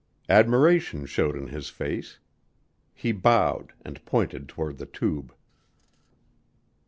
Admiration showed in his face. He bowed and pointed toward the tube.